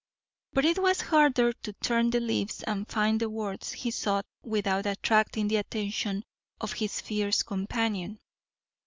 But it was harder to turn the leaves and find the words he sought without attracting the attention of his fierce companion.